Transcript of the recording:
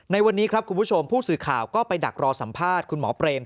ในวันนี้ครับคุณผู้ชมผู้สื่อข่าวก็ไปดักรอสัมภาษณ์คุณหมอเปรม